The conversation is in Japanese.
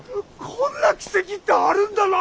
こんな奇跡ってあるんだな！